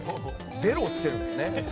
ベロをつけるんですね。